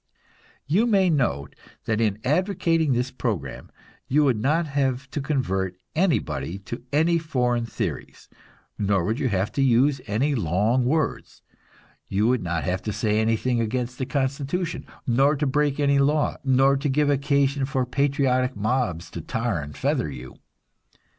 You may note that in advocating this program, you would not have to convert anybody to any foreign theories, nor would you have to use any long words; you would not have to say anything against the constitution, nor to break any law, nor to give occasion for patriotic mobs to tar and feather you.